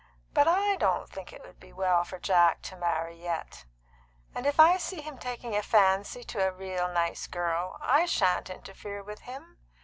"But I don't think it would be well for Jack to marry yet; and if I see him taking a fancy to any real nice girl, I sha'n't interfere with him.